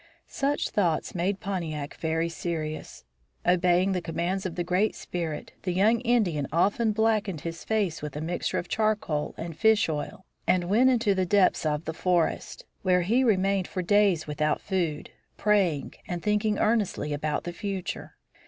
Such thoughts made Pontiac very serious. Obeying the commands of the Great Spirit, the young Indian often blackened his face with a mixture of charcoal and fish oil, and went into the depths of the forest, where he remained for days without food, praying and thinking earnestly about the future.